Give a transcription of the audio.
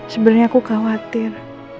sebenernya aku khawatir